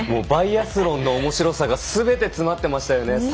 バイアスロンの面白さがすべて詰まっていましたよね。